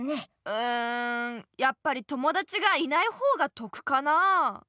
うんやっぱり友だちがいないほうが得かなあ？